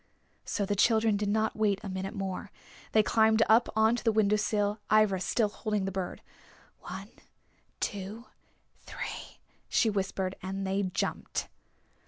So the children did not wait a minute more. They climbed up onto the window sill, Ivra still holding the bird. "One, two, three," she whispered, and they jumped.